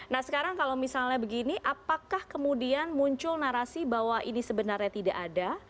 nah sekarang kalau misalnya begini apakah kemudian muncul narasi bahwa ini sebenarnya tidak ada